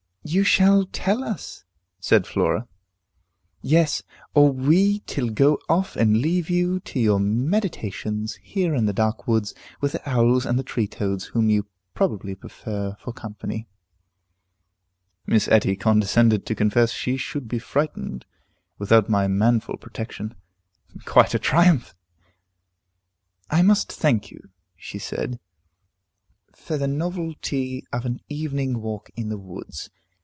"You shall tell us," said Flora. "Yes, or we till go off and leave you to your meditations, here in the dark woods, with the owls and the tree toads, whom you probably prefer for company." Miss Etty condescended to confess she should be frightened without my manful protection. Quite a triumph! "I must thank you," she said, "for the novelty of an evening walk in the woods.